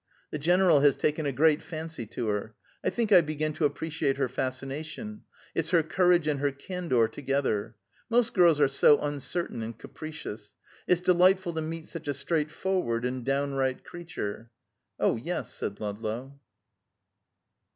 The general has taken a great fancy to her. I think I begin to appreciate her fascination; it's her courage and her candor together. Most girls are so uncertain and capricious. It's delightful to meet such a straightforward and downright creature." "Oh, yes," said Ludlow.